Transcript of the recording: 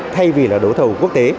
thay vì là đấu thầu quốc tế